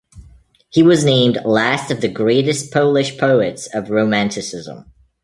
He was named "last of the greatest Polish poets of Romanticism".